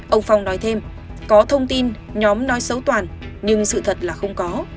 ông phong nói thêm có thông tin nhóm nói xấu toàn nhưng sự thật là không có